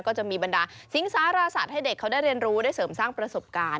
ก็จะมีบรรดาสิงสารสัตว์ให้เด็กเขาได้เรียนรู้ได้เสริมสร้างประสบการณ์